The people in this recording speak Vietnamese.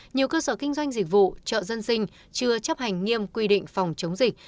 nhiều cơ sở kinh doanh dịch vụ chợ dân sinh chưa chấp hành nghiêm quy định phòng chống dịch